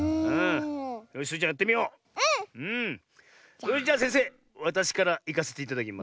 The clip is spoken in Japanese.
それじゃせんせいわたしからいかせていただきます。